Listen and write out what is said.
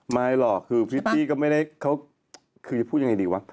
ไม่หรอกคือพริตตี้ก็ไม่ได้เขาคือจะพูดยังไงดีวะ